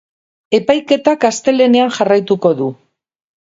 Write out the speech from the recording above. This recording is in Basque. Epaiketak astelehenean jarraituko du.